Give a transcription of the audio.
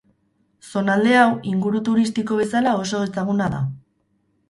Zonalde hau inguru turistiko bezala oso ezaguna da.